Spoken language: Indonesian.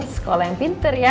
sekolah yang pinter ya